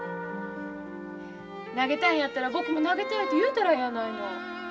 投げたいんやったら僕も投げたいて言うたらええやないの。